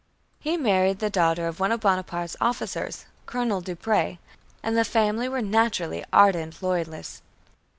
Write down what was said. He married the daughter of one of Bonaparte's officers, Colonel Dupré, and the family were naturally ardent loyalists.